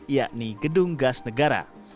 yakni gedung gas negara